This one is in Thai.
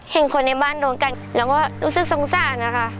เห็นคนในบ้านโดนกันแล้วก็รู้สึกสงสารนะคะ